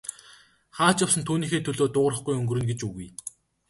Хаа ч явсан түүнийхээ төлөө дуугарахгүй өнгөрнө гэж үгүй.